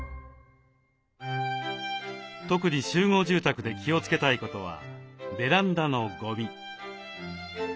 特に集合住宅で気をつけたいことはベランダのゴミ。